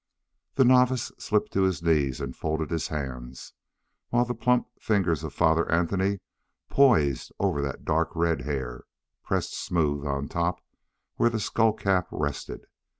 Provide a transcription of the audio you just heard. The novice slipped to his knees and folded his hands, while the plump fingers of Father Anthony poised over that dark red hair, pressed smooth on top where the skullcap rested.